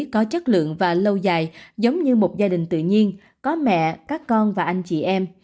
có chất lượng và lâu dài giống như một gia đình tự nhiên có mẹ các con và anh chị em